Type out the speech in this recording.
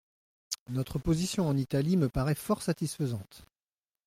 Notre position en Italie me paraît fort satisfaisante.